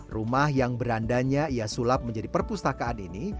rumah yang berandanya ia sulap menjadi perpustakaan ini